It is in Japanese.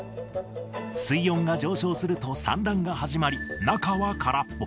水温が上昇すると産卵が始まり、中は空っぽ。